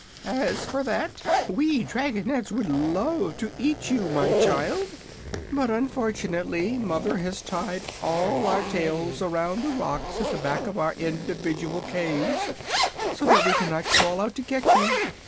"As for that, we dragonettes would love to eat you, my child; but unfortunately mother has tied all our tails around the rocks at the back of our individual caves, so that we can not crawl out to get you.